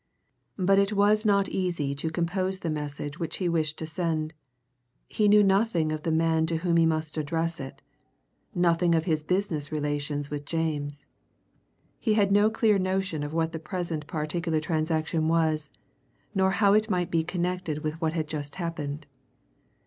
But it was not easy to compose the message which he wished to send. He knew nothing of the man to whom he must address it, nothing of his business relations with James; he had no clear notion of what the present particular transaction was, nor how it might be connected with what had just happened.